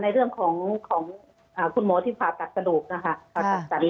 อันดับที่สุดท้าย